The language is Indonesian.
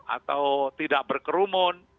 atau tidak berkerumun